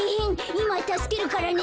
いまたすけるからね。